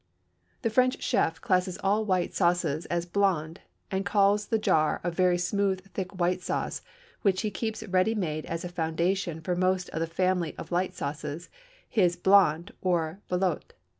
The French chef classes all white sauces as blonde, and calls the jar of very smooth thick white sauce, which he keeps ready made as a foundation for most of the family of light sauces, his blonde or velouté.